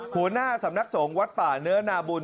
หัวหน้าสำนักสงฆ์วัดป่าเนื้อนาบุญ